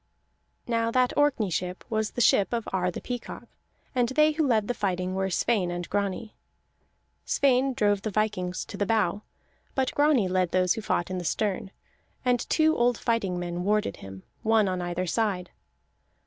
Now that Orkney ship was the ship of Ar the Peacock, and they who led the fighting were Sweyn and Grani. Sweyn drove the vikings to the bow; but Grani led those who fought in the stern, and two old fighting men warded him, one on either side.